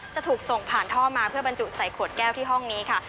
จะถูกส่งผ่านท่อมาเพื่อบรรจุใส่ขวดแก้วที่ห้องนี้ค่ะ